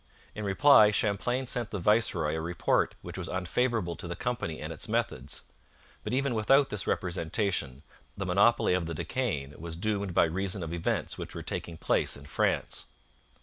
In reply Champlain sent the viceroy a report which was unfavourable to the company and its methods. But even without this representation, the monopoly of the De Caens was doomed by reason of events which were taking place in France.